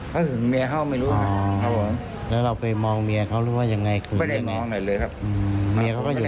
ครับถ้าเล็กเมียนั่งตรงข้ามผม